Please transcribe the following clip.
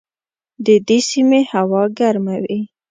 د دې سیمې هوا ګرمه وي.